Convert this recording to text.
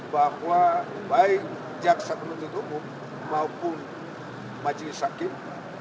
bahwa baik jaksa kementerian hukum maupun majelis hakim